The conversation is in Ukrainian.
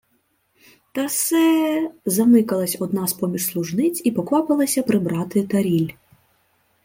— Та се... — замикалась одна з-поміж служниць і поквапилася прибрати таріль.